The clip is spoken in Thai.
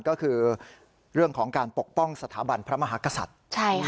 ก็คือเรื่องของการปกป้องสถาบันพระมหากษัตริย์